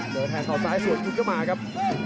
โดดแทงเขาซ้ายสวยทุกขึ้นเข้ามาครับ